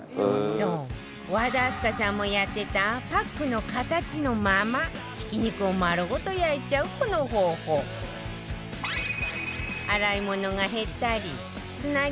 そう和田明日香さんもやってたパックの形のままひき肉を丸ごと焼いちゃうこの方法洗い物が減ったりつなぎを入れない分